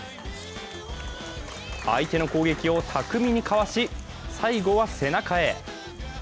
相手の攻撃を巧みにかわし、最後は背中へ。